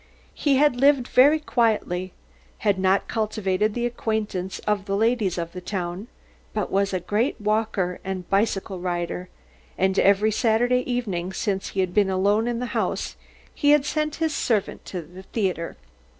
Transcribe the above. He had lived very quietly, had not cultivated the acquaintance of the ladies of the town, but was a great walker and bicycle rider; and every Saturday evening since he had been alone in the house, he had sent his servant to the theatre.